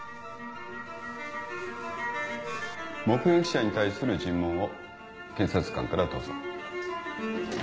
目撃者に対する尋問を検察官からどうぞ。